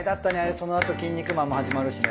そのあと『キン肉マン』も始まるしね。